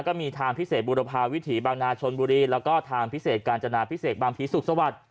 ก็มีทางพิเศษบุรพาวิถีบางนาชนบุรีแล้วก็ทางพิเศษกาญจนาพิเศษบางผีสุขสวัสดิ์